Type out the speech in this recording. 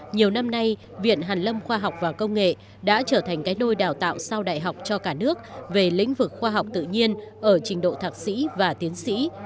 nhiều năm nay viện hàn lâm khoa học và công nghệ đã trở thành cái đôi đào tạo sau đại học cho cả nước về lĩnh vực khoa học tự nhiên ở trình độ thạc sĩ và tiến sĩ